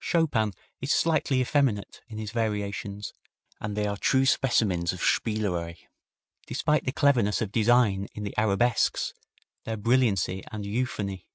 Chopin is slightly effeminate in his variations, and they are true specimens of spielerei, despite the cleverness of design in the arabesques, their brilliancy and euphony.